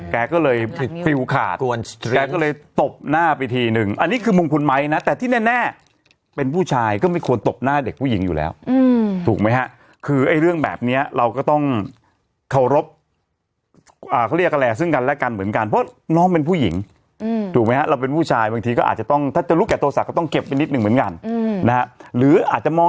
แกก็เลยฟิลขาดแกก็เลยตบหน้าไปทีนึงอันนี้คือมุมคุณไม้นะแต่ที่แน่เป็นผู้ชายก็ไม่ควรตบหน้าเด็กผู้หญิงอยู่แล้วถูกไหมฮะคือไอ้เรื่องแบบนี้เราก็ต้องเคารพเขาเรียกอะไรซึ่งกันและกันเหมือนกันเพราะน้องเป็นผู้หญิงถูกไหมฮะเราเป็นผู้ชายบางทีก็อาจจะต้องถ้าจะรู้แก่ตัวศักดิก็ต้องเก็บไปนิดหนึ่งเหมือนกันนะฮะหรืออาจจะมอง